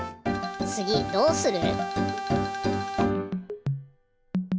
つぎどうする？